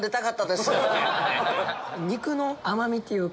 肉の甘みっていうか。